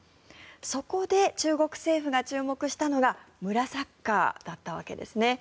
そこで中国政府が注目したのが村サッカーだったわけです。